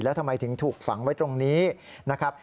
แล้วทำไมถึงถูกฝังไว้ตรงนี้นะครับ